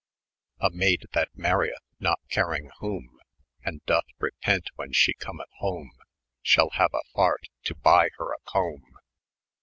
*A mayde that marryetii, not caryng whome, [p. 10.] And doeth repent when she cometh home. Shall hane a fart, to by her a come.